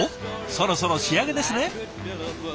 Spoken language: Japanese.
そろそろ仕上げですね。